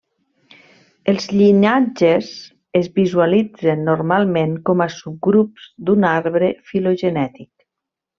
Els llinatges es visualitzen normalment com a subgrups d'un arbre filogenètic.